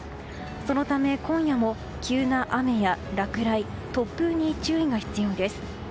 そのため、今夜も急な雨や落雷突風に注意が必要です。